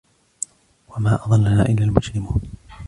وما أضلنا إلا المجرمون